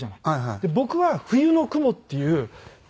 僕は『冬の雲』っていう。